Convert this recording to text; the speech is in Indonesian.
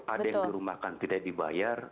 ada yang dirumahkan tidak dibayar